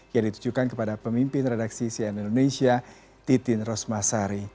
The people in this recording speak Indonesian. yang ditujukan kepada pemimpin redaksi cnn indonesia titin rosmasari